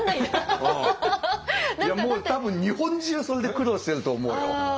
いやもう多分日本中それで苦労してると思うよ。